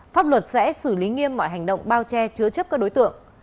pháp luật sẽ xử lý nghiêm mọi hành động bao che chứa chấp các đối tượng